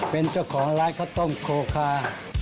เป็นเจ้าของร้านข้าวต้มโคคา